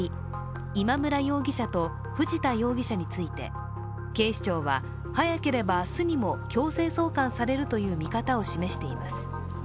今村容疑者と藤田容疑者について、警視庁は早ければ明日にも強制送還されるという見方を示しています。